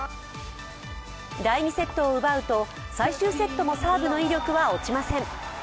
第２セットを奪うと、最終セットもサーブの威力は落ちません。